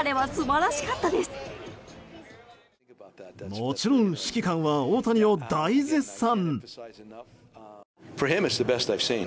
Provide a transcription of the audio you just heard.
もちろん指揮官は大谷を大絶賛。